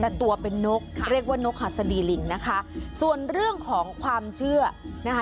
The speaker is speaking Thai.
และตัวเป็นนกเรียกว่านกหัสดีลิงนะคะส่วนเรื่องของความเชื่อนะคะ